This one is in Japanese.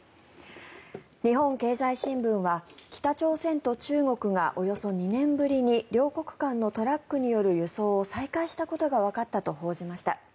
日本経済新聞は北朝鮮と中国がおよそ２年ぶりに両国間のトラックによる輸送を再開したことがわかったと報じました。